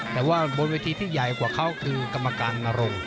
แต่ว่าบนเวทีที่ใหญ่กว่าเขาคือกรรมการนรง